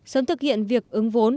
sớm thực hiện việc ứng vốn